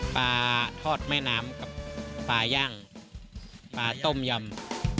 ปลาทอดแม่น้ำกับปลาย่างปลาต้มยำ